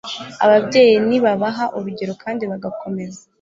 Ababyeyi nibabaha urugero kandi bagakomeza